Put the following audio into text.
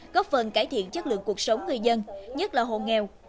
góp phần cải thiện chất lượng cuộc sống người dân nhất là hộ nghèo